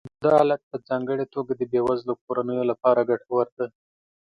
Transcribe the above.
دا حالت په ځانګړې توګه د بې وزله کورنیو لپاره ګټور دی